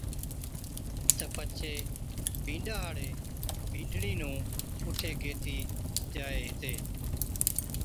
تہ پڇي بِينڏا ھاڙي بِينڏڙِي نُون اُٺي گيهٿِي جائي ھِتي